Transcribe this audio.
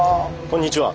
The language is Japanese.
こんにちは。